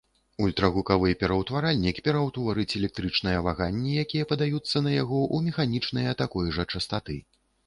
Ультрагукавы пераўтваральнік пераўтворыць электрычныя ваганні, якія падаюцца на яго, у механічныя такой жа частоты.